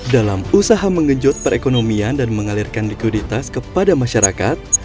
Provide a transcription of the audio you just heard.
dalam usaha mengejut perekonomian dan mengalirkan likuiditas kepada masyarakat